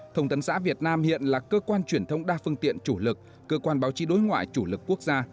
thông tấn xã việt nam hiện là cơ quan truyền thông đa phương tiện chủ lực cơ quan báo chí đối ngoại chủ lực quốc gia